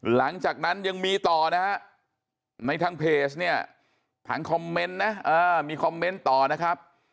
หลังจากนั้นยังมีต่อนะฮะในทางเพจเนี่ยทางคอมเมนต์นะมีคอมเมนต์ต่อนะครับ